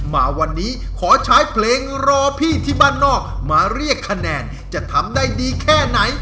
มาวันนี้ขอใช้เพลงรอพี่ที่บ้านนอกมาเรียกคะแนนจะทำได้ดีแค่ไหน